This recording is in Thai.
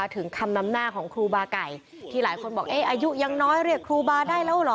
ถึงคำนำหน้าของครูบาไก่ที่หลายคนบอกอายุยังน้อยเรียกครูบาได้แล้วเหรอ